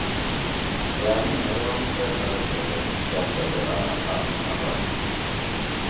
تھئے مے مھیرے ہُم چیر خلگ پیخور سی چأپ چأپیرا علاقہ می آباد تھی۔